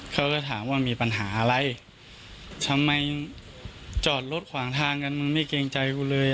เขาก็ถามว่ามีปัญหาอะไรทำไมจอดรถขวางทางกันมึงไม่เกรงใจกูเลย